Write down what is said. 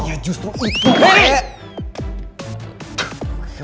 ya justru itu pak regar